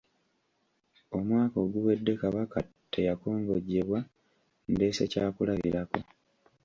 Omwaka oguwedde Kabaka teyakongojjebwa, ndeese kyakulabirako.